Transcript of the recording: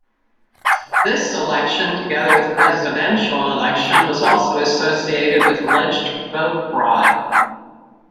This election, together with presidential election, was also associated with alleged vote fraud.